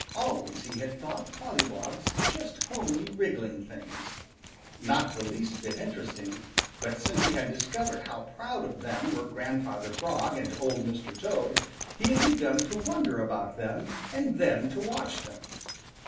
Always he had thought pollywogs just homely, wriggling things, not the least bit interesting, but since he had discovered how proud of them were Grandfather Frog and Old Mr. Toad, he had begun to wonder about them and then to watch them.